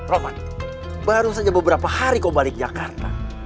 romain baru saja beberapa hari kok balik jakarta